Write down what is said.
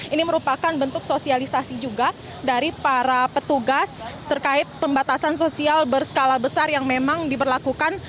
ini merupakan bentuk sosialisasi juga dari para petugas terkait pembatasan sosial berskala besar yang memang diberlakukan